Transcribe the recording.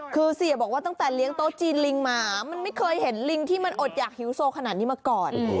คือเสียบอกว่าตั้งแต่เลี้ยงโต๊ะจีนลิงมามันไม่เคยเห็นลิงที่มันอดหยากหิวโซขนาดนี้มาก่อน